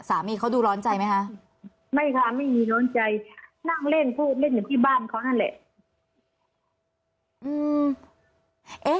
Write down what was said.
สามีเขาดูร้อนใจไหมคะไม่ค่ะไม่มีร้อนใจนั่งเล่นพูดเล่นอยู่ที่บ้านเขานั่นแหละ